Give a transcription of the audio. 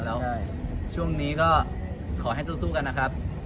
แล้วช่วงนี้ก็ขอให้สู้กันนะครับ